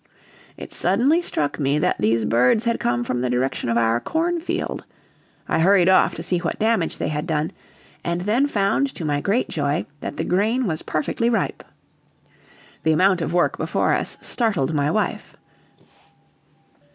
It suddenly struck me that these birds had come from the direction of our cornfield. I hurried off to see what damage they had done, and then found to my great joy that the grain was perfectly ripe. The amount of work before us startled my wife.